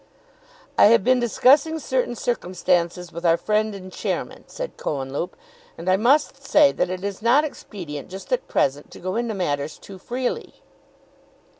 "I have been discussing certain circumstances with our friend and Chairman," said Cohenlupe, "and I must say that it is not expedient just at present to go into matters too freely."